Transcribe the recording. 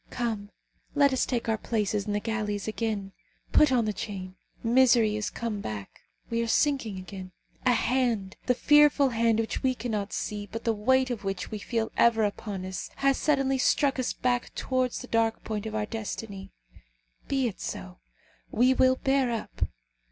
Come, let us take our places in the galleys again. Put on the chain. Misery is come back. We are sinking again. A hand, the fearful hand which we cannot see, but the weight of which we feel ever upon us, has suddenly struck us back towards the dark point of our destiny. Be it so. We will bear up.